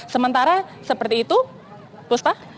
sementara seperti itu puspa